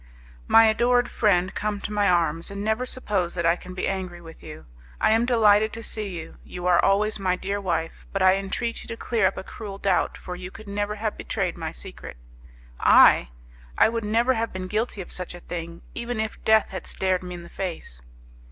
"My adored friend, come to my arms, and never suppose that I can be angry with you. I am delighted to see you; you are always my dear wife: but I entreat you to clear up a cruel doubt, for you could never have betrayed my secret." "I! I would never have been guilty of such a thing, even if death had stared me in the face."